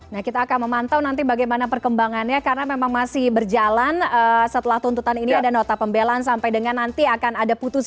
nah kita akan memantau nanti bagaimana perkembangannya karena memang masih berjalan setelah tuntutan ini ada nota pembelaan sampai dengan nanti akan ada putusan